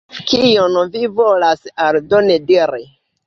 Kion vi volas aldone diri?